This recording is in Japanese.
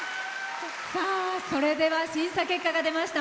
それでは審査結果が出ました。